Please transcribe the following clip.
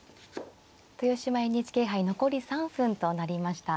豊島ＮＨＫ杯残り３分となりました。